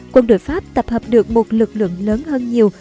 quân đội pháp tập hợp được một lực lượng lớn hơn nhiều